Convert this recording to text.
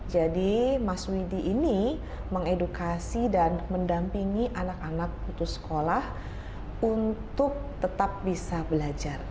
jadi mas widy ini mengedukasi dan mendampingi anak anak putus sekolah untuk tetap bisa belajar